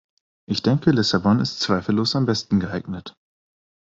Ich denke, Lissabon ist zweifellos am besten geeignet.